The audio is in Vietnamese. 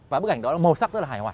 và bức ảnh đó là màu sắc rất là hài hòa